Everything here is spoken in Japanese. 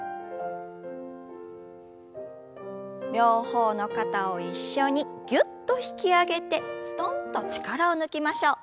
両方の肩を一緒にぎゅっと引き上げてすとんと力を抜きましょう。